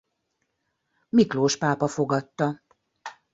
Miklós pápa fogadta.